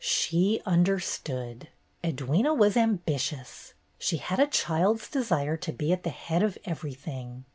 She understood. Edwyna was ambitious. She had a child's desire to be at the head of everything.